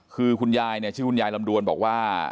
คือคุณยายลำดวนบอกว่า